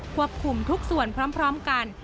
คุมทุกส่วนพร้อมกัน